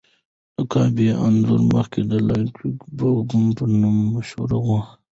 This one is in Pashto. د کعبې انځور مخکې د لایټننګ بګز نوم مشهور و.